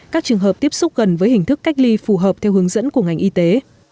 các trường hợp tiếp xúc gần với hình thức cách ly phù hợp theo hướng dẫn của ngành y tế